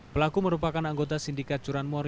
pelaku merupakan anggota sindikat curanmor